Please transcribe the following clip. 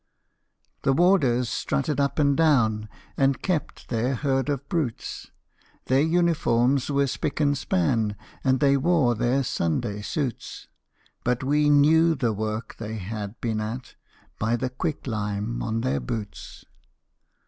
The Warders strutted up and down, And kept their herd of brutes, Their uniforms were spick and span, And they wore their Sunday suits, But we knew the work they had been at, By the quicklime on their boots.